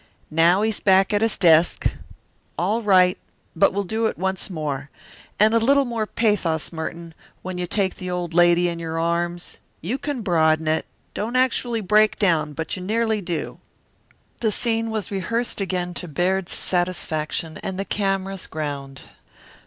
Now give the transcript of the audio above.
Now he's back at his desk. All right. But we'll do it once more. And a little more pathos, Merton, when you take the old lady in your arms. You can broaden it. You don't actually break down, but you nearly do." The scene was rehearsed again, to Baird's satisfaction, and the cameras ground.